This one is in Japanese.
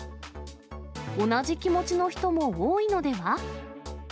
同じ気持ちの人も多いのでは？